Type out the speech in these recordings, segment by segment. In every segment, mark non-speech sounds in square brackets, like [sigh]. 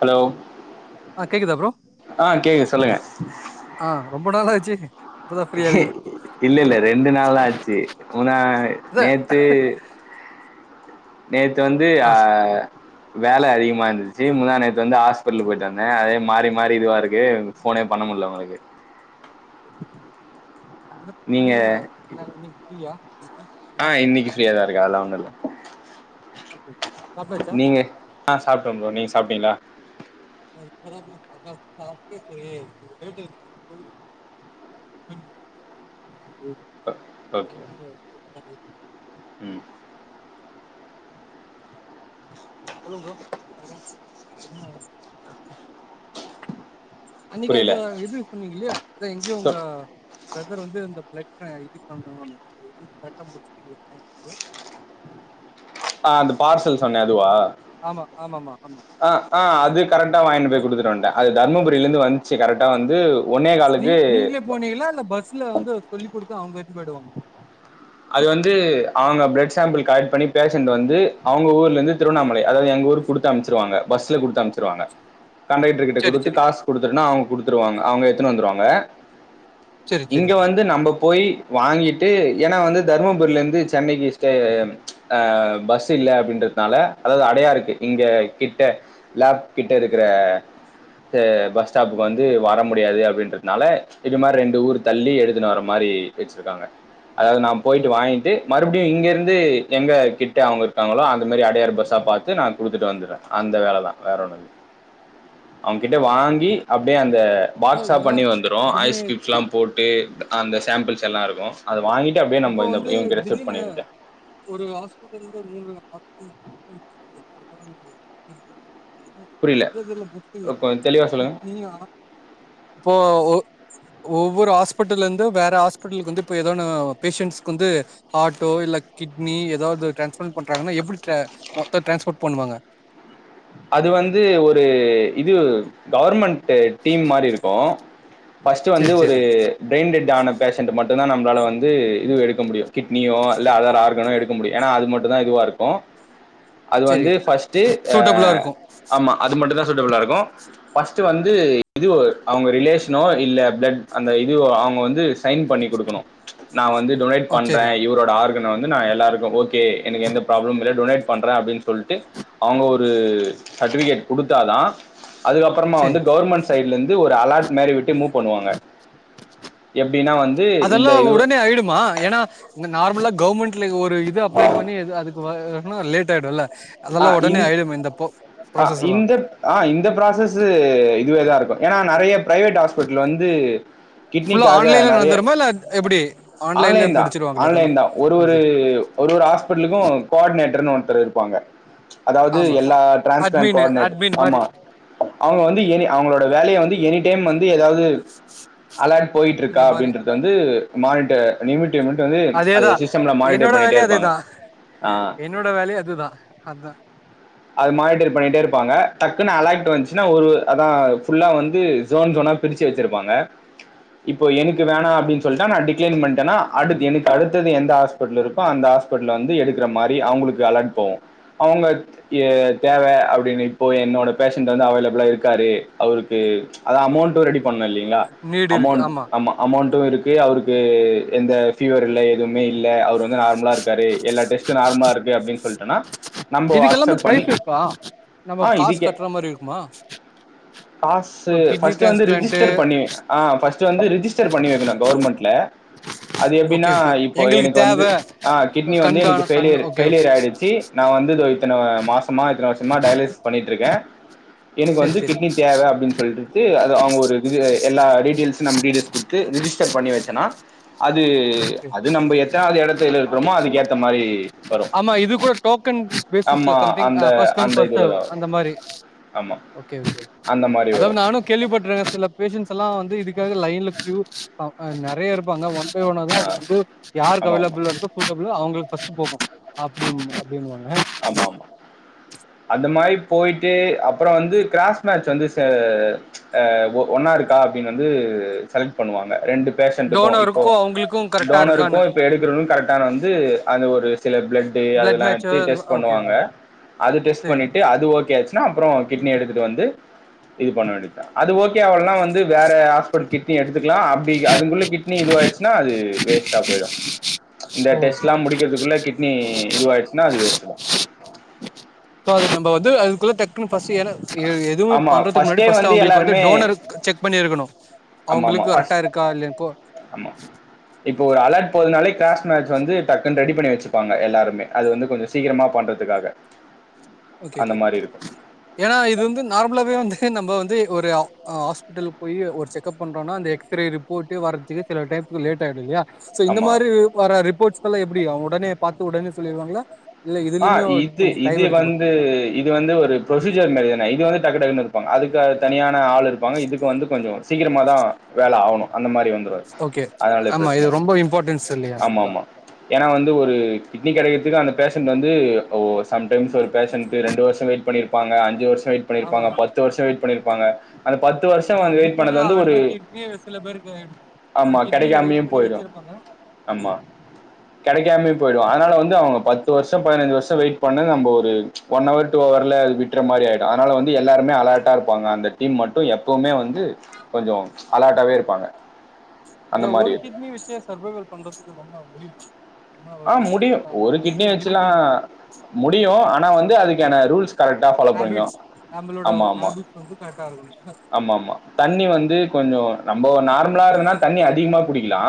Hello அ கேக்குதா bro ஆ கேக்குது சொல்லுங்க அ ரொம்ப நாளாய்ச்சு எ இல்ல இல்ல ரெண்டு நாள் தா ஆச்சி உனா அதா நேத்து நேத்து வந்து ஆ வேல அதிகமா இந்துச்சி முந்தா நேத்து வந்து ஹாஸ்பிட்லுக்கு போய்ட்டு வந்தே அதே மாறி மாறி இதுவா இருக்கு ஃபோனே பண்ண முல்ல உங்குளுக்கு [inaudible] உனக் இன்னிக்கு என்ன வேல வேல இன்னிக் ஃப்ரியா அ இன்னிக்கு ஃப்ரியாதா அங்க யாருலா ஒன்னுல்ல ஓகே ஓகே சாப்ட்டாச்சா நீங்க அ சாப்டோ ப்ரோ நீங் சாப்டீங்களா அ இப்ப தா ப்ரோ அதா சாப்டுட்டு ஒரு ஹோட்டல்க்கு போய் [unintelligible] ஓகே ம் சொல்லுங்கோ ப்ரோ [inaudible] அன்னிக்கி புரியல அது எது சொன்னீங்கல்லியா அத எங்யோ உங்க பிரதர் வந்து இந்த ப்ளட் என்னா இது பண்ணணோ அது எது பண்ண முடிச்சிட்டு இது [inaudible] அ அந்த பார்சல் சொன்னயே அதுவா ஆமா ஆமாமா ஆமா ஆமா. அ ஆ அது கரெக்டா வாங்கினு போய் குடுத்துட்டு வன்ட்ட அது தருமபுரிலந்து வந்ச்சு கரெட்டா வந்து ஒன்னே காலுக்கு நீ நீங்களே போனீங்ளா இல்ல பஸ்ல வந்து அவரு சொல்லி் குடுத் இது அவுங்க எடுத்துன் போய்டுவாங்க அது வந்து அவுங்க பிளட் சாம்பிள் கலெக்ட் பண்ணி பேஷண்டு வந்து அவுங்க ஊர்லந்து திருவண்ணாமலை அதாவது எங் ஊருக் குடுத்து அம்ச்சிருவாங்க பஸ்ல குடுத்து அம்ச்சிருவாங்க கண்டெட்டர்க்கிட்ட சரி குடுத்து சரி காஸ் குடுத்துருனா அவுங் குடுத்துருவாங்க அவுங்க எத்துனு வந்ருவாங்க சரி சரி இங்க வந்து நம்ப போயி வாங்கிட்டு ஏனா வந்து தருமபுரிலந்து சென்னக்கி ஸ்டே அ பஸ் இல்ல அப்டின்றதுனால அதாவது அடையாருக்கு இங்க கிட்ட லாப் கிட்ட இருக்குற இதே பஸ் ஸ்டாப்புக்கு வந்து வர முடியாது அப்டின்றதுனால இது மாரி ரெண்டு ஊரு தள்ளி எடுத்துனு வர மாரி வெச்சிருக்காங்க அதாவது நா போய்ட்டு அதா வாங்கிட்டு மறுபுடியு இங்கருந்து ந்து எங்க கிட்ட அவுங்க இருக்காங்களோ அந்த மேரி அடையாரு பஸ்ஸா பாத்து நா குடுத்துட்டு வந்துற அந்த வேலதா வேற ஒன்னுல்ல அவுங்க கிட்ட வாங்கி அப்டியே அந் இந்த பாக்ஸா ஏன்னா பண்ணி வந்துறோ அதுமே ஐஸ் க்யூப்ஸ்லா போட்டு அந்த சாம்பிள்ஸ் எல்லா இருக்கோ அத வாங்கிட்டு அப்டியே இப்போ வந்து திடீர்னு ஒரு ஹாஸ்பிட்டலந்து மூணு புரியல [unintelligible] [unintelligible] கொஞ்சம் தெளிவாக சொல்லுங்கள் இப்போ ஒ ஒவ்வோரு ஹாஸ்பிட்டலந்து வேற ஹாஸ்பிட்டலுக்கு வந்து இப்ப ஏதோனு பேஷன்ண்ட்ஸ்க்கு வந்து ஹார்ட்டோ இல்ல கிட்னி எதாவது டிரான்ஸ்ப்ரண்ட் பண்றாங்கனா எப்டி மொத்த டிரரான்ஸ்போர்ட் பண்ணுவாங்க அது வந்து ஒரு இது கவர்மெண்ட் இது டீம் மாரி இருக்கோ ஃபஸ்ட் வந்து சரி ஒரு சரி டேன்ஜர்டான பேஷன்ட் மட்டு தா நம் நம்பளால வந்து இதுவு எடுக்க முடியு கிட்னியோ அல்ல அதர் ஆர்கனோ எடுக்க முடியு எனா அது மட்டு தா இதுவா இருக்கோ அது வந்து சரி ஃபஸ்ட்டு அ சூட்டபிளா இருக்கு ஆமா அது மட்டுந் தா சூட்டபுளாயி இருக்கும் ஃபஸ்ட்டு வந்து இது அவங்க ரிலேஷனோ இல்ல பிளட் அந்த இது அவுங்க வந்து சைன் பண்ணி குடுக்குணும் நா வந்து டொனேட் ஆ சரி பண்றேன் இவரோட ஆறு வந்து நா எல்லாருக்கு ஓத் ஏ எனக் எந்த பிராபளமும் கெடயாது டொனேட் பண்றேன் அப்டின் சொல்ட்டு அவுங்க ஒரு சர்டிவிகேட் குடுத்தாதா அதுக்கப்பறமா சரி வந்து கவ்ர்மண்ட் சைடுல இருந்து ஒரு அலார்ட் மேரி விட்டு மூவ் பண்ணுவாங்க எப்படி அதெல்லாம் உடனே ஆயிடுமா ஏன்னா நார்மலா கவர்மெண்ட்ல ஒரு இது அப்ளை பண்ணி அதுக்கு ஆனா லேட் ஆயடுல்லா ஆ இந்த ஆ ப்ராசஸ் எல்லா. இந்த ஆ இந்த ப்ராசஸ் இதுவேதான் இருக்கும் ஏன்னா நிறைய பிரைவேட் ஹாஸ்பிட்டல் வந்து ஃபுல்லா கிட்னிக்காக ஆன்லைன்ல நிறைய நடந்துருமா இல்ல எப்டி? ஆன்லை ஆன்லைன்ல தான் முடிச்சிருவாங்களா ஆன்லை இதெல்லா? தான் ஓகே. ஒருஃஒரே ஹாஸ்பிட்டலுக்கும் கோடினேட்டர் தர இருப்பாங்க அதாவது ஆமா. எல்லா டிரான்ஸ்பிளண்ட் அட்மின் கோடினேட்டர் அட்மின் மாரி ஆமா அவங்க வந்து அவங்களோட வேலையை வந்து எனி கேம் வந்து ஏதாவது அலர்ட்டு போயிட்டு இருக்கா இந்த மாரி அப்படின்று வந்து மாநிட்டர் நிமிட ம் வந்து அது அதேதா. சிஸ்டம்ல மானிடர் என்னோட பண்ணிட்டே வேலையு இருப்பாங்க அதேதா. ஆஹ அதான் அத மானிட்டர் பண்ணிட்டே இருப்பாங்க டக்குன்னு அலர்ட் வந்துச்சுன்னா ஒரு அதான்புல்லா வந்து ஜோன் ஜோனா பிரிச்சு வச்சிருப்பாங்க இப்போ எனக்கு வேணாம் அப்படின்னு சொல்லிட்டா நான் டிக்ளைன் பண்ணிட்டேன்னா அடு எனக்கு அடுத்தது எந்த ஹாஸ்பிட்டல் இருக்குகோ அந்த ஹாஸ்பிடல் வந்து எடுக்க மாதிரிழ அவங்களுக்கு அலர்ட் போகும் அவங்க தேவை அப்படின்னு இப்போ என்னோட பேஷண்ட் வந்து அவைலபிளா இருக்காரு அவருக்கு அதான் அமௌண்ட் ரெடி பண்ண இல்லீங்களா நீடு இருக்கு அமௌண்ட் ஆமா. அமௌண்டும் இருக்கு அவருக்கு எந்த ஃபீவர் இல்லை எதுவுமே இல்லை அவரு வந்து நார்மலா இருக்காரு எல்லா டெஸ்ட்டும் நார்மலா இருக்கு அப்படின்னு சொல்லிட்டன்னா நம்பு ஆ இதுக்கு எல்லாமே பண்ணி பிரைஸ் இருக்கா? நம்ம ஆ காசு இதுக்கே கட்ற மாரி இருக்குமா? காசு இப்ப கிட்னி ஃபஸ்ட் வந்து டிரான்ஸ்பிளான்ட்டு ரிஜிஸ்டர் பண்ணி ஹ ஃபஸ்டுச் வந்து ரிஜிஸ்டர் பண்ணி வக்கனும் கவர்மெண்ட்ல அது எப்படின்னா ஓகே ஓகே. இப்போ எங்களுக்கு எனக்கு வந்து தேவ ஆஹ கிட்னி வந்து கண் எனக்கு தான கண் யிலியர் ஓகே ஓகே. ஃபயிலியர் ஆயிடுச்சு நான் வந்து இத்தனைல் இத்தனை வருஷமா டயலிசஸ் பண்ணிட்டு இருக்கேன் எனக்கு சரி வந்து சரி கிட்னி தேவை அப்படின்னு சொல்லிட்டுட்டு அது அவங்க ஒரு இது எல்லா டீயிடைல்ஸ்சும் நம்ம டீடைல்ஸ் கொடுத்து ரிஜிஸ்டர் பண்ணி வச்சனா அது ஓகே அது நம்ம எத்தனாவது இடத்து இருக்கிறோமோ அதுக்க ஏத்த மாதிரி ஆமா இது கூட டோக்கன் பேசிஸ்ல ஆமா தான ஐ திங்க் அந்த ஃபர்ஸ்ட் கம் அந்த ஃபஸ்ட்டு இதுலதா வரு அந்த மாதிரி ஆமா ஓகே ஓகே அந்த மாரி அதாவ வரு நானு கேள்விபட்ற சில பேசன்ட்ஸ் எல்லா வந்து இதுக் காக லைன்ல க்யூ அ நெறைய இருப்பாங்க ஒன் ஒன் பை ஒன்னா தா ஆ வந்து யாருக்கு ஆமா ஆமா அவைலபலாருக்கோ சூட்டபுலோ அவங்களுக்கு ஃபஸ்டுபோகு [unintelligible] ஆமா ஆமா அந்த மாரி போய்ட்டு அப்றொ வந்து க்ராஸ் மேட்ச் வந்து செ ச் அ ஒ ஒன்னா இருக்கா அப்டின் வந்து செலக்ட் பண்ணுவாங்க ரெண்டு பேஷண்ட்க்கு இப்போ டோனருக்கும் அவங்களுக்கும் கரெக்டா டோனருக்கு இருக்கான்னு இப்போ எடுக்கிறவங் கரெட்டானு வந்து அந்த ஒரு சில பிளட்டு பிளட் அதுல்லா மேட்ச் இது டெஸ்ட் ஓகே பண்ணுவாங்க ஓகே அது டெஸ்ட் சரி பண்ணிட்டு அது ஓகே ஆச்சு என்ன அப்றொ கிட்னி எடுத்துட்டு வந்து இது பண்ண வேண்டி தா அது ஓகே ஓகே ஆவல்னா வந்து வேற ஆஸ் ஒரு கிட்னி எடுத் இருக்கலா அப்டி அதுக்குள்ளே கிட்னி கிட்னி இதுவாய்ருச் ன்னா அது வேஸ்ட்டா போய்டு இந்த ஓ டெஸ்ட்ல்லா முடிக்றதுக்குள்ள கிட் கிட்னி இதுவாயிருச் இன்ன அது வேஸ்ட் தா இப்ப அது நம்ப வந்து அதுக்குள்ள டக்குன் ஃபஸ்ட் எழ எதுவு ஆமா பண்றதுக்கு முன்னாடி ஃபர்ஸ்ட்டே ஃபஸ்ட் அவங்ளுக்கு வந்து எல்லாருமே டோனர் செக் பண்ணி இருக்கனு ஆமா ஆமா ஃபஸ் ஆமா இப்ப ஒரு அலர்ட் ஒரு நாளைக் கிராஷ் மேட்ச் வந்து டக்குன் ரெடி பண்ணி வச்சுப்பாங்க எல்லாருமேஷஅது வந்து கொஞ்சொ சீக்ரமா பண்றதுக்காக ஓகே அந்த ஓகே மாரி இருக்கும். ஏன்னா இது வந்து நார்மலாவே வந்து நம்ம வந்து ஒரு ஹாஸ்பிட்டல் போய் ஒரு செக்கப் பண்றோன்னா அந்த எக்ஸ்ரே ரிப்போர்ட் வர்றதுக்கு சில டைம்க்கு லேட் ஆய்டுது இல்லயா ஸோ இந்த ஆமா. மாரி வர ரிப்போர்ட்ஸ் இப்ப எல்லா எப்டி அவங்க உடனே பாத்து உடனே சொல்லிடுவாங்ளா அ இது இது வந்து இது வந்து ஒரு ப்ரொசீஜர் மாரிதான இது வந்து டக்குடக்குனு இரு அதுக்கு தனியான ஆள் இருப்பாங்க இதுக்கு வந்து கொஞ்சொ சீக்கிரமா தா வேலை ஆகணு அந்த மாரி வந் ஓகே. அதனால தா ஆமா இது பிரச்னை ரொம்ப இம்பார்ட்டன்ஸ் இல்லையா? ஆமா அதான். ஆமா ஏன்னா வந்து ஒரு கிட்னி கெடெக்றதுக்கு அந்த ஷன்ட் வந்து ஓ சம் டைம்ஸ் ஒரு பேஷன்ட் ரெண்டு வருஷ வெயிட் பண்ணிருப்பாங்க அஞ்சு வருஷ வெய்ட் ஆமா. பண்ணிருப்பாங்க. பத்து வரும் வெய்ட் பண்ணிரு ப்பாங்க அந்த பத்து வருஷ ஆனா வந்து வெயிட் அதுக்குள்ள பண்ணது வந்து ஒரு அடுத்த கிட்னியே சில பேருக்கு எடுக்கும். ஒரு ஆமா கிட்னில கெடெக்காமயே வெயிட் பண்ணி போய்டு வச்சிருப்பாங்க. ஆமா கெடெக்காமயே போய்டு அதனால வந்து அவங்க பத்து வருஷ, பதினஞ்சி வருஷ வெயிட் பண்ண நம்ம ஒரு ஒன் ஹவர் டூ ஹவர்ல அது விட்ற மாரி ஆய்டு. அதனால வந்து எல்லாருமே அலர்ட்டா இருப்பாங்க. அந்த டீம் மட்டு எப்பவுமே வந்து கொஞ்சொ அலர்ட்டாவே இருப்பாங்க. இந்த அந்த ஒரு மாதிரி கிட்னி விஷ்ய சர்வைவல் பண்றதுக்கு ரொம்ப முடியு ஆஹ் முடியு ஒரு கிட்னி வச்செல்லா லிமிட் முடியு ஆனா வந்து அதுக்கான ரூல்ஸ் கரெட்டா ஃபாலோ பண்ணுனு ஹேபிட்ஸ் நம்மளோட ஆமா ஆமா ஹேபிட்ஸ் வந்து கரெக்டா இருக்கணு ஆமா ஆமா தண்ணி வந்து கொஞ்ஜோ நம்போ நார்மலா இருந்தா தண்ணி அதிகமா குடிக்கலா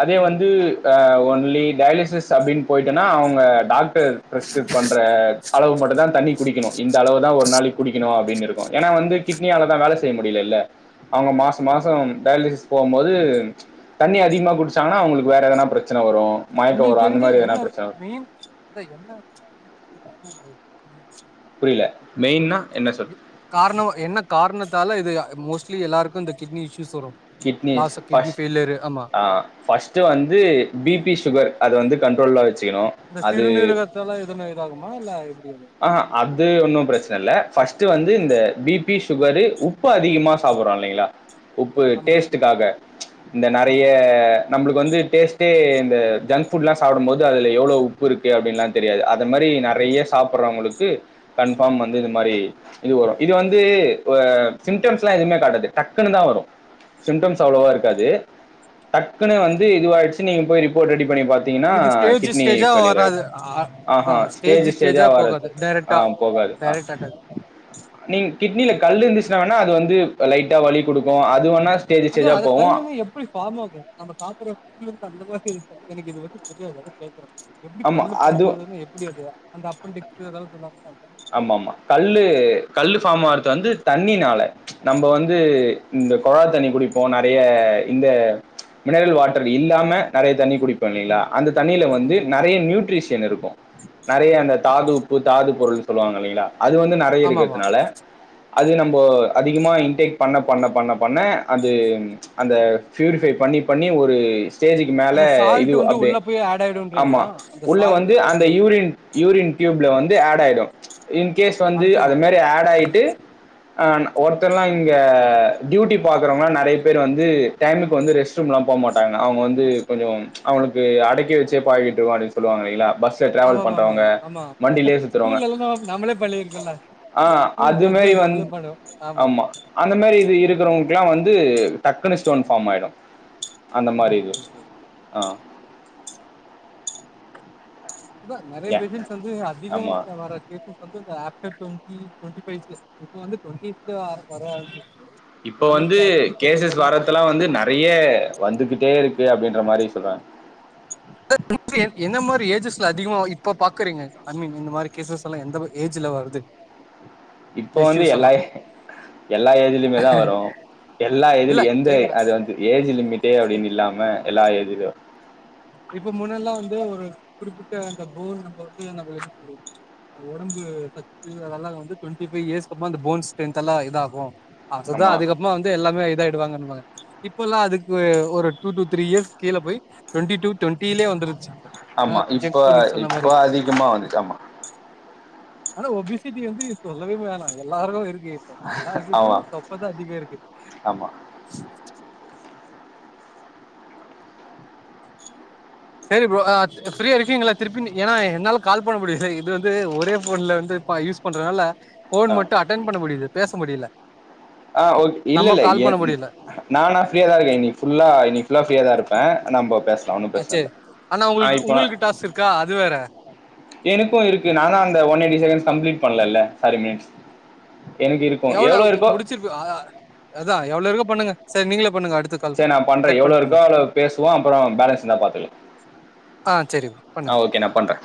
அதே சரி வந்து ஆஹ் லீ டயலிசிஸ் அப்டின்னு பொயிட்டன்னா அவங்க டாக் பிரஸ்கிருப் பண்ற அளவு மட்டு தா தண்ணி குடிக்கணு இந்த அளவு தா ஒரு நாளைக்கு குடிக்கணு அப்டின்னு இருக்கு ஏன்னா வந்து கிட்னியாலதா வேல செய்ய முடியலல அவங்க மாசம் ஆமா மாசம் டயாலிசிஸ் போகும்போது தண்ணி அதிகமாக குடிச்சாங்கன்னா அவுங்ளுக் வேற எதனா பிரச்சன வரு ஒங்ளுக்கு தெரிஞ்ஜே என்ன மெயின் அதா என்ன புரியல [unintelligible] மெயின்னா என்ன சொல் கார்ணோ என்ன காரணத்தால இது மோஸ்ட்லி எல்லாருக்கு இந்த கிட்னி இஷ்யூஸ் வரு kidney loss of kidney first failure ஆமா ஆ பஸ்ட்டே வந்து பிபிஸ் சுகர் அத வந்து கண்ட்ரோல வச்சு அந்த சிறநீருகத்தலா எதுன்னு இதாகுமா இல்ல எப் ஆஹ் அது ஒன்னு பிரச்சன இல்ல பர்ஸ் டுத்து வந்து இந்த பிபி சுகரு உப்பு அதிகமா சாப்பட்றோ இல்லைங்ளா உப்பு ஆமா டேஸ்ட்டுக்காக இந்த ஆமா நெறைய நம்ளுக்கு வந்து டேஸ்டே இது ஜங் ஃபுட்லா சாப்டம்போது எவ்ளவு உப்பு இருக்கு அப்டின்னுல்லா தெரியாது அது மாரி நெறைய சாப்ட்றவங்களுக்கு கன்ஃபார்ம் வந்து இது மாரி இது வரும் இது வந்து சிம்டம்ஸ்லா எதுமே காட்டாது டக்குன்னு தா வரு சிம்டம்ஸ் அவ்ளோவா இருக்காது தட் டக்குனு வந்து இதுவாயிடுச்சுனு நீங்க போய் ரிப்போர்ட் ரெடி பண்ணி பாத்தீங்கன்னா இது ஸ்டேஜ் கிட்னி ஸ்டேஜா பெயிலியர் வராது ஆயிடுச்சு ஆஹா அதா ஸ்டேஜ் ஸ்டேஜு தெறியா ஸ்டேஜா போகாது வராதுக் ஆ டைரக்டா போகாது ஆ டைரக்ட் நீங்க கிட்னில அட்டாக் கல் இருந்துச்சுனா வேனா அது வந் து இப்ப லைட்டா வலிக்குடுக்கு அதுவேனா அதா அத கல்லுனு எப்டி ஃபாம் ஆகு நம்ப சாப்றப்போ இது வந்து அந்த மாதிரி இருக்கு எனக்கு இது வந்து தெரியாது அதா கேக்குறே எப்புடி ஆமா கல்லு அது பாமாகுதான்னு எப்டி அது அந்த அப்பன் செ எதாவது சொல்லாமா ஆமா ஆமா கல்லு கல்லு ஃபாமாகு வந்து தண்ணீனால நம்ப வந்து இந்த கொழா தண்ணி குடிப்போ நெறய இந்த மினரல் வாட்டர் இல்லாம நெறய தண்ணி குடிப்பே இல்லங்களா ஆமா அந்த தண்ணீயில வந்து ஆமா ஆமா நெறைய நியூட்ரிஷின் ன்னு இருக்கு நெறையா அந்த ஓகே தாது உப்பு தாது பொருள் சொல்லுவாங்க இல்லேங்களா அது வந்து நெறையா ஆமா ஆமா இருக்குறதுனால அது நம்போ அதிகமாக இன்டேக் பண்ண பண்ண பண்ண பண்ண அது அந்த புயூரிஃபை பண்ணி பண்ணி ஒரு ஸ்டேஜ்க்கு மேல அந்த இது சால்ட் வந்து அப்டியே உள்ள போய் ஆட் ஆமா ஆயிடுன்றீங்களா அந்த உள்ள சால்ட் வந்து அந்த ஓகே ஓகே யூரின் யூரின் டியூப்ல வந் இது அட் ஆயிடு [inaudible] இன் கேஸ் வந்து அது அடச்சுக்கு மாரி அஆட் ஆயிட்டு அ ஒருத்தர்லாம் இங்க டியூட்டி பாக்குறவங்க நெறையா பேர் வந்து டைமுக்கு வந்து ரெஸ்ட் ரூம் இல்லா போக மாட்டாங்க அவுங்க வந்து கொஞ்சோ அவுங்களுக்கு அடக்கி வச்சே பழகிட்டோம் அப்புடின்னு சொல்லுவாங்க இல்லலைங்களா பஸ்ல டிரராவல் ஆமாமா பண்றவங்க ஆமாமா ஆமா வண்டியிலேயே சுத்துருவங்க ஸ்கூல்லல்லா நம்மளே பள்ளி இருக்கோல்லாக்கி ஸ்கூல் டயத்துல மாதிரி நம்மளே வந்து பழோ ஆம்மா ஆமா அந்த இது இருக்குறவங்களுக்குல்லா வந்து டக்குனு ஸ்டோன் ஃபார்ம் ஆயிடும் அந்த மாரி ஓகே இதுவு ஓகே ஆ [inaudible] அதானல நெறைய ஒ ஏன் பேஷன்ட்ஸ் வந்து ஆமா அதிகமா வர லகுபேஷன்ஸ் வந்து இந்தப் டுவெண்டி டுவெண்டி ஃபைவ் பிளஸ் இப்ப வந்து டுவெண்டில வர ஆரம்பிச்சு இப்ப வந்து கேசஸ்சஸ் வர்தெல்லா வந்து நெறைய வந்துகிட்டே இருக்கூ க்கு அப்டின்ற மாரி சொல்றாங்க ந்த மாதிரி ஏஜஸ்ல அதிகமா இப்ப பாக்குறீங்க ஐ மீன் இந்த மாதிரி கேசஸ் எல்லா எந்த ஏஜ்ல வருது இப்போ இந்த வந்து இஷ்யூஸ் எல்லா எல்லா ஏஜ்லயுமேதா வரு எல்லா இல்ல ஏஜ்ல எந்த கேக்குறே அது வந்து ஏஜ் லிமிட்டே அப்டின்னு இல்லாம எல்லா ஏஜ்லயு இப்ப முன்னெல்லா வந்து ஒரு குறிப்பிட்ட அந்த போன் நம்ம வந்து நம்ம எது [inaudible] ஒடம்பு சத்து அதெல்லா வந்து டுவெண்ட்டி ஃபைவ் இயர்ஸ் கப்புமா அந்த போன்ஸ் ஸ்ட்ரென்த் எல்லா இதாகு அதுதா ஆமா அதுக்கப்புமா வந்து எல்லாமே இதாயி டுவாங்கனுபாங்க இப்பல்லா அதுக்கு ஒரு டூ டூ த்ரீ இயர்ஸ் கீழ போய் டுவெண்டி டு டுவண்டிலயே வந்துருச்சு ஏனா ஆமா இப்ப செக் பண்ணி சொன்ன இப்ப மாரி அதிகமா வந்துச்சு ஆமா ஆனா ஓபிசிடி வந்து சொல்லவே வேணா எல்லாருக்கு இருக் இப்போ ஆமா எல்லார்கிட்டயும் தொப்பதா அதிக இருக்கு ஆமா சரி ப்ரோ ஆ ப்ரீயா இருபீங்களா திருப்பி ஏன்னா என்னால கால் பண்ண முடியாது இது வந்து ஒரே போன்ல வந்து யூஸ் பண்றதுனால ஆ ஃபோன் மட்டு அட்டன் பண்ண முடியுது பேச முடியல ஆ ஓக் இல்ல நம்ம இல்ல கால் பண்ண முடியல நா நா ப்ரீயா தான் இருக்கேன் இன்னிக்கு புல்லா இன்னிக்கு புல்லா ப்ரீயா தா இருப்பே இப்ப நம்ப பேச அ சரி அண்ணா உங்களுக்கு உங்களுக்கு டாஸ்க் இருக்கா அது வேற எனக்கு இருக்கு நானு அந்த ஒன் எயிட்டி செக்கன்ட்ஸ் கம்ப்ளீட் பண்ணலல்ல சாரி மினிட்ஸ் எனக்கு இருக்கு எவ்ளோ இருக்கோ சிருப்பியா அதா எவ்ளோ இருக்கோ பண்ணுங்க சரி நீங்களே பண்ணுங்க அடுத்த கால் சரி நா பண்றே கட் எவ்ளோ பண்ணிட்டு இருக்கோ பண்ணுங்க அவளோ பேசுவோ அப்புறோ பேலன்ஸ் இருந்தா பாத்துகலா ஆ சரி ப்ரோ பண்ணுங்க ஆ ஓகே நா பண்றே